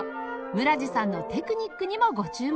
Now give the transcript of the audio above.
村治さんのテクニックにもご注目を！